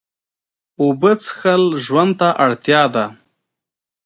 اوبه څښل ژوند ته اړتیا ده